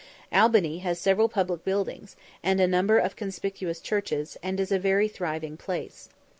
Albany has several public buildings, and a number of conspicuous churches, and is a very thriving place.